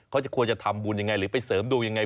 เขาควรจะทำบุญอย่างไรหรือไปเสริมดูอย่างไร